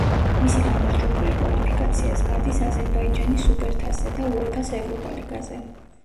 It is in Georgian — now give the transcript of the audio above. მისი გამარჯვებული კვალიფიკაციას გადის აზერბაიჯანის სუპერთასზე და უეფა-ს ევროპა ლიგაზე.